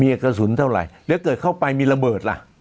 มีกระสุนเท่าไหร่แล้วเกิดเข้าไปมีระเบิดล่ะ